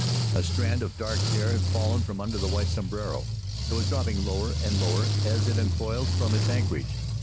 A strand of dark hair had fallen from under the white sombrero; it was dropping lower and lower as it uncoiled from its anchorage.